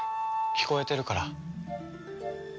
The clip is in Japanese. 聞こえてるから。